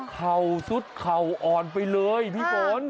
เข่าซุดเข่าอ่อนไปเลยพี่ฝน